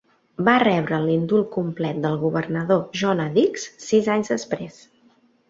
Va rebre l'indult complet del governador John A. Dix sis anys després.